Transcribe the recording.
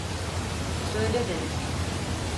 Söyle dedim!